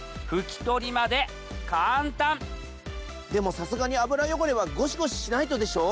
でもさすがに油汚れはゴシゴシしないとでしょ？